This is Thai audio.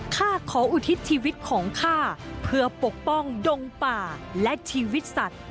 ข้าขออุทิศชีวิตของข้าเพื่อปกป้องดงป่าและชีวิตสัตว์